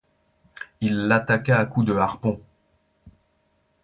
Il l’attaqua à coups de harpon.